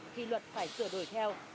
khi luật phải sửa đổi theo